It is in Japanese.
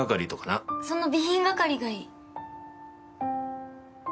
その備品係がいい。